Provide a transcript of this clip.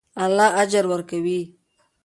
الله اجر ورکوي.